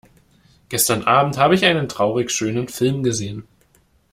Gestern Abend habe ich einen traurigschönen Film gesehen.